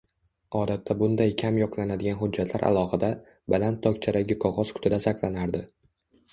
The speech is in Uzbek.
Odatda bunday kam yo`qlanadigan hujjatlar alohida, baland tokchadagi qog`oz qutida saqlanardi